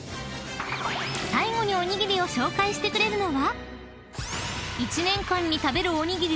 ［最後におにぎりを紹介してくれるのは］